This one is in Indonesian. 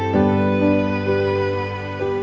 aku mau ke sana